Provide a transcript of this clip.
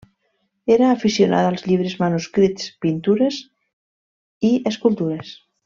Era aficionada als llibres, manuscrits, pintures i escultures.